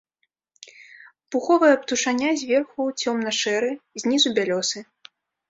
Пуховая птушаня зверху цёмна-шэры, знізу бялёсы.